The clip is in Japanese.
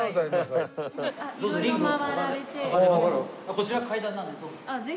こちら階段なんでどうぞ。